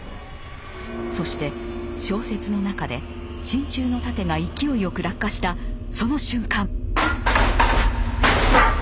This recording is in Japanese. そして小説の中で真鍮の楯が勢いよく落下したその瞬間！